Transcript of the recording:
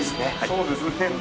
そうですね。